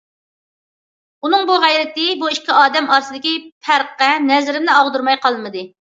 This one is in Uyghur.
ئۇنىڭ بۇ غەيرىتى بۇ ئىككى ئادەم ئارىسىدىكى پەرققە نەزىرىمنى ئاغدۇرماي قالمىدى.